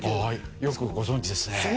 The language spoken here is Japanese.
よくご存じですね。